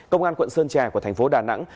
công an quận sơn trà của thành phố đà nẵng